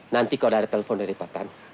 nanti kalau ada telepon dari pak tan